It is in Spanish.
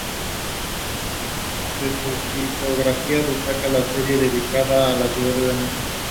De sus litografías destaca la serie dedicada a la ciudad de Venecia.